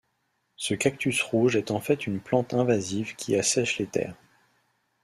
Ce cactus rouge est en fait une plante invasive qui assèche les terres.